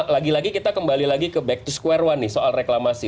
lagi lagi kita kembali lagi ke back to square one nih soal reklamasi